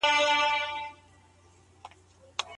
په لاس لیکل د علمي فقر د له منځه وړلو وسیله ده.